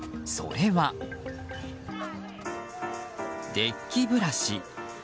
それは、デッキブラシ。